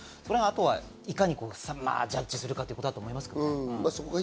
いかにジャッジするかということだと思います。